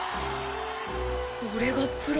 俺がプロ。